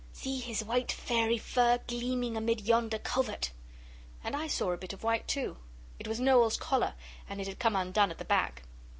'See his white fairy fur gleaming amid yonder covert!' And I saw a bit of white too. It was Noel's collar, and it had come undone at the back.